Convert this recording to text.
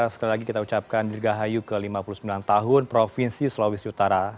sekali lagi kita ucapkan dirgahayu ke lima puluh sembilan tahun provinsi sulawesi utara